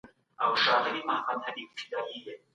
لويه جرګه به د بحراني حالاتو د مخنيوي لپاره پلانونه جوړوي.